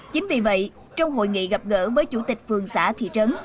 chính vì vậy trong hội nghị gặp gỡ với chủ tịch phường xã thị trấn